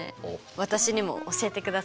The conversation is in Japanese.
私にも教えてくださいよ。